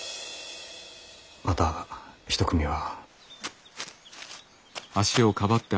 また一組は。